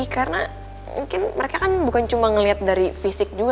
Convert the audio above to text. karena mungkin mereka kan bukan cuma ngeliat dari fisik juga